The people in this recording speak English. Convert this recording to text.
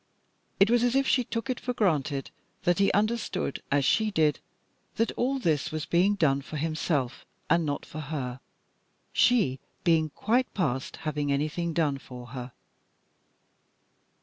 It was as if she took it for granted that he understood, as she did, that all this was being done for himself, and not for her, she being quite past having anything done for her.